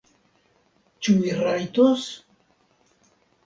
Ĉu mi rajtos?